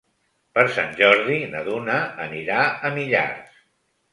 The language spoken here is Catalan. Per Sant Jordi na Duna anirà a Millars.